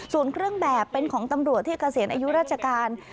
ส่วนเครื่องแบบเป็นของตำรวจที่เกษียณอายุราชการ